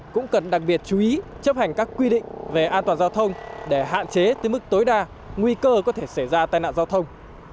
cũng cần đặc biệt chú ý chấp hành các quy định về an toàn giao thông để hạn chế tới mức tối đa nguy cơ có thể xảy ra tai nạn giao thông